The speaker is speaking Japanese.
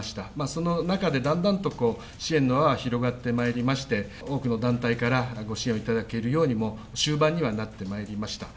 その中で、だんだんと支援の輪は広がってまいりまして、多くの団体からご支援を頂けるようにも、終盤にはなってまいりました。